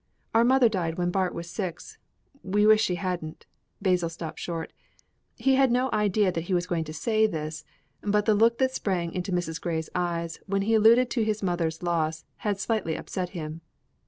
Our mother died when Bart was six. We wish she hadn't " Basil stopped short. He had no idea that he was going to say this, but the look that sprang into Mrs. Grey's eyes when he alluded to his mother's loss had slightly upset him.